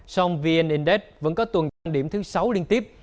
song vn index vẫn có tuần trọng điểm thứ sáu liên tiếp